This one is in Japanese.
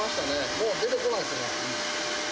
もう出てこないっすね。